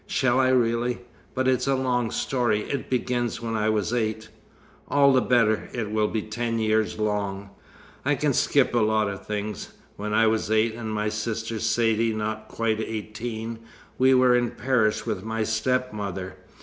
"Shall I really? But it's a long story. It begins when I was eight." "All the better. It will be ten years long." "I can skip lots of things. When I was eight, and my sister Saidee not quite eighteen, we were in Paris with my stepmother.